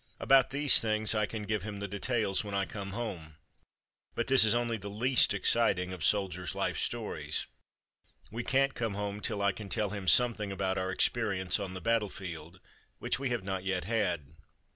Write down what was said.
About these I can give him the details when I come home. But this is only the least exciting of the soldier's life stories. We can't come home till I can tell him something about our experience on the battlefield, which we have not yet had."